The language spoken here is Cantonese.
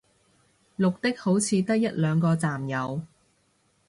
綠的好似得一兩個站有